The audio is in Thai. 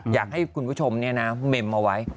อยากให้คุณผู้ชมเมมเอาไว้